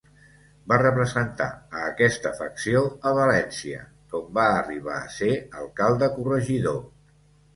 Va representar a aquesta facció a València d'on va arribar a ser Alcalde corregidor.